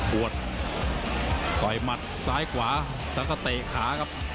ปวดต่อยหมัดซ้ายขวาแล้วก็เตะขาครับ